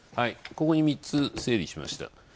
ここに３つ、整理しました。